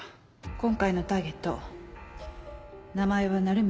今回のターゲット名前は鳴宮